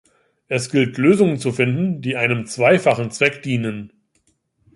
Es gilt, Lösungen zu finden, die einem zweifachen Zweck dienen.